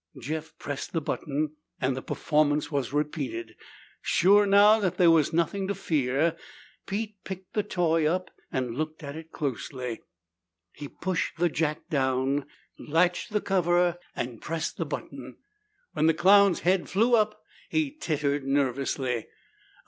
Jeff pressed the button and the performance was repeated. Sure now that there was nothing to fear, Pete picked the toy up and looked at it closely. He pushed the jack down, latched the cover, and pressed the button. When the clown's head flew up, he tittered nervously.